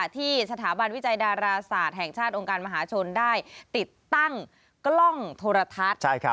ที่สถาบันวิจัยดาราศาสตร์แห่งชาติองค์การมหาชนได้ติดตั้งกล้องโทรทัศน์